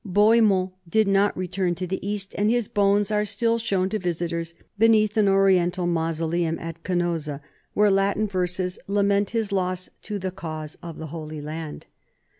Bohemond did not return to the East, and his bones are still shown to visitors beneath an Oriental mausoleum at Canosa, where Latin verses lament his THE NORMANS IN THE SOUTH 215 loss to the cause of the Holy Land.